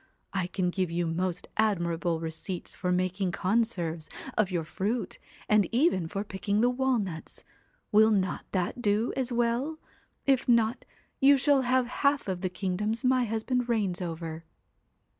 I can give you most admirable receipts for making conserves of your fruit, and even for pickling the walnuts. Will not that do as well ? If not, you shall have half of the kingdoms my husband reigns over."